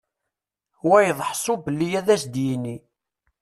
Wayeḍ ḥsu belli ad s-d-yenni.